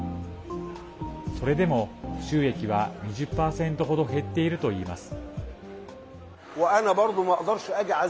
それでも収益は２０％程、減っているといいます。